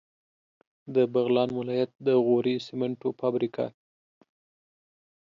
د بغلان ولایت د غوري سیمنټو فابریکه